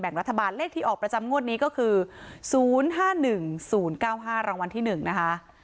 รัฐบาลเลขที่ออกประจำงวดนี้ก็คือ๐๕๑๐๙๕รางวัลที่๑นะคะ